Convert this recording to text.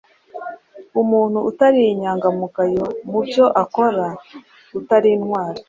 Umuntu utari inyangamugayo mu byo akora, utari intwari.